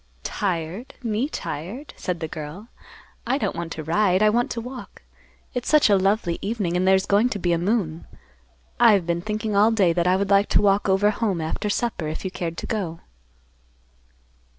"Tired? Me tired?" said the girl. "I don't want to ride. I want to walk. It's such a lovely evening, and there's going to be a moon. I have been thinking all day that I would like to walk over home after supper, if you cared to go."